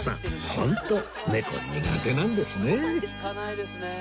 ホント猫苦手なんですね